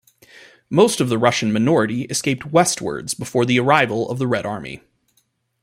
Most of the Russian minority escaped westwards before the arrival of the Red Army.